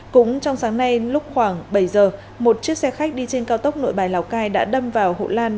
cũng trong sáng nay lúc khoảng bảy giờ một chiếc xe khách đi trên cao tốc nội bài lào cai đã đâm vào hộ lan